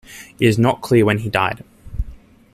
It is not clear when he died.